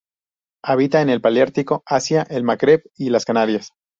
Habita en el paleártico: Asia, el Magreb y las Canarias.